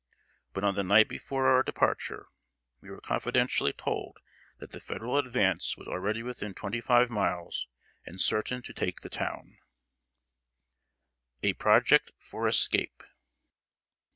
But on the night before our departure, we were confidentially told that the Federal advance was already within twenty five miles, and certain to take the town. [Sidenote: A PROJECT FOR ESCAPE.